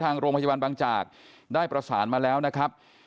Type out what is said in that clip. ทางโรงพยาบาลบางจากได้ประสานมาแล้วนะครับ